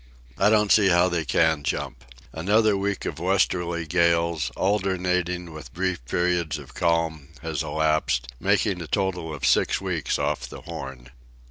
I don't see how they can jump. Another week of westerly gales, alternating with brief periods of calm, has elapsed, making a total of six weeks off the Horn.